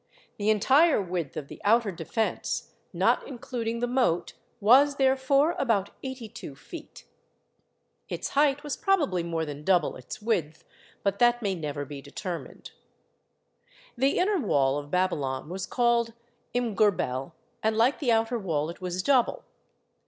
The entire width of the outer defence, not including the moat, was therefore about eighty two feet; its height was probably more than double its width, but that may never be determined. The inner wall of Babylon was called Imgur Bel, and like the outer wall, it was double.